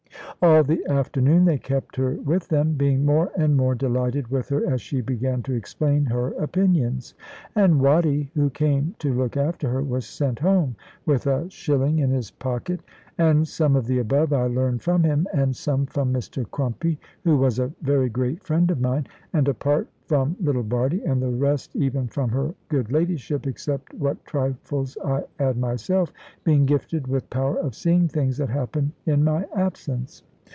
All the afternoon they kept her with them, being more and more delighted with her as she began to explain her opinions; and Watty, who came to look after her, was sent home with a shilling in his pocket. And some of the above I learned from him, and some from Mr Crumpy (who was a very great friend of mine), and a part from little Bardie, and the rest even from her good ladyship, except what trifles I add myself, being gifted with power of seeing things that happen in my absence.